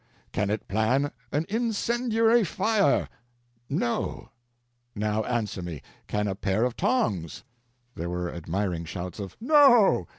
Can it plan an incendiary fire? No. Now answer me—can a pair of tongs?" (There were admiring shouts of "No!"